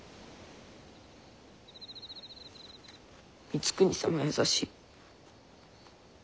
光圀様は優しい。